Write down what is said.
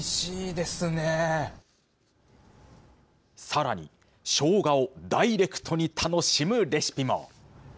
さらにしょうがをダイレクトに楽しむレシピも。